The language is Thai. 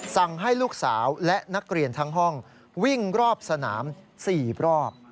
สั่งให้ลูกสาวและนักเรียนทั้งห้องวิ่งรอบสนาม๔รอบ